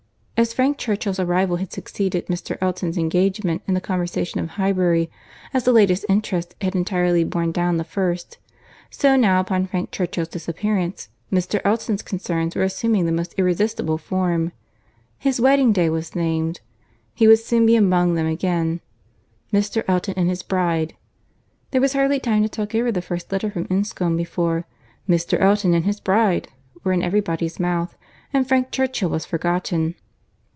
As Frank Churchill's arrival had succeeded Mr. Elton's engagement in the conversation of Highbury, as the latest interest had entirely borne down the first, so now upon Frank Churchill's disappearance, Mr. Elton's concerns were assuming the most irresistible form.—His wedding day was named. He would soon be among them again; Mr. Elton and his bride. There was hardly time to talk over the first letter from Enscombe before "Mr. Elton and his bride" was in every body's mouth, and Frank Churchill was forgotten.